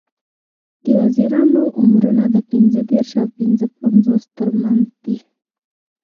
د وزیرانو عمرونه د پینځه دیرش او پینځوس تر منځ دي.